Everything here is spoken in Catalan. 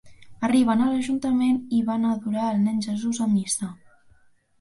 Arriben a l'Ajuntament i van a adorar al nen Jesús a missa.